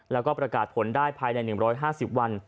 แล้วก็ประกาศผลได้ภายใน๑๕๐วัน